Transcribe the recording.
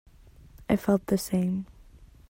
I felt the same.